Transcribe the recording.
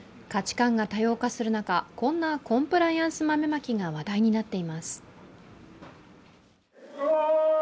価値観が多様化する中、こんなコンプライアンス豆まきが話題になっています。